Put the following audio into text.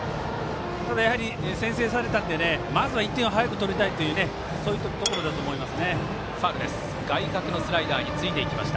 ただ、やはり先制されたのでまず１点を早く取りたいというそういったところだと思います。